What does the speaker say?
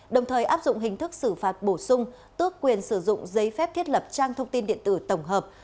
đồng thời áp dụng hình thức xử phạt bổ sung tước quyền sử dụng giấy phép thiết lập trang thông tin điện tử tổng hợp